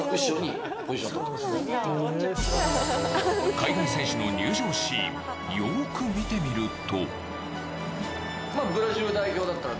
海外選手の入場シーンよく見てみると。